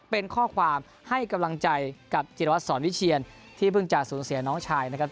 เป็นข้อความให้กำลังใจกับจิรวัตรสอนวิเชียนที่เพิ่งจะสูญเสียน้องชายนะครับ